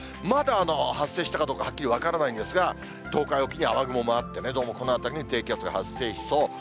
まだ発生したかどうか、はっきり分からないんですが、東海沖に雨雲もあってね、どうもこの辺りに低気圧が発生しそう。